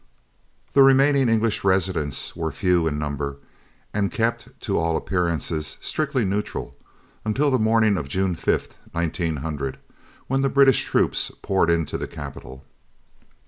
The remaining English residents were few in number, and kept, to all appearance, "strictly neutral," until the morning of June 5th, 1900, when the British troops poured into the capital.